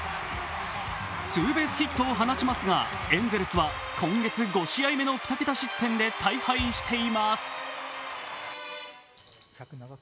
ツーベースヒットを放ちますがエンゼルスは今月５試合目の２桁失点で大敗しています。